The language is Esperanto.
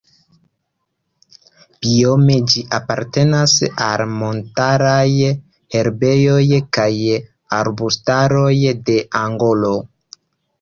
Biome ĝi apartenas al montaraj herbejoj kaj arbustaroj de Angolo.